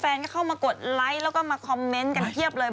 เข้ามากดไลค์แล้วก็มาคอมเมนต์กันเพียบเลย